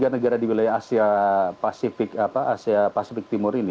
dua puluh tiga negara di wilayah asia pasifik timur ini